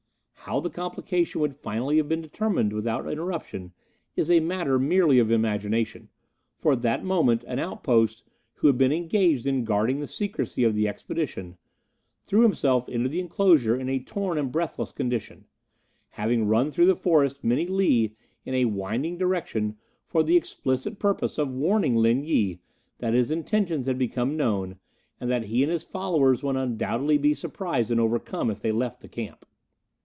How the complication would finally have been determined without interruption is a matter merely of imagination, for at that moment an outpost, who had been engaged in guarding the secrecy of the expedition, threw himself into the enclosure in a torn and breathless condition, having run through the forest many li in a winding direction for the explicit purpose of warning Lin Yi that his intentions had become known, and that he and his followers would undoubtedly be surprised and overcome if they left the camp.